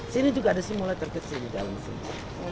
sini juga ada simulator kecil di dalam sini